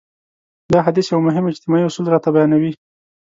دا حديث يو مهم اجتماعي اصول راته بيانوي.